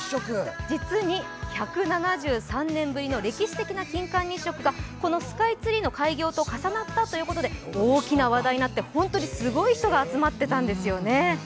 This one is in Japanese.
実に１７３年ぶりの歴史的な金環日食がこのスカイツリーの開業と重なったということで大きな話題になって本当にすごい人が集まってたんですよね。